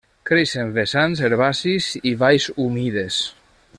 Creix en vessants herbacis i valls humides.